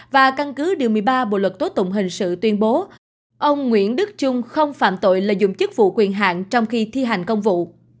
và căn cứ điều một mươi ba bộ luật tố tụng hình sự tuyên bố ông nguyễn đức trung không phạm tội lợi dụng chức vụ quyền hạn trong khi thi hành công vụ